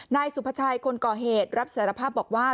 นายสุภาชัยคนก่อเหตุรับสารภาพบอกว่า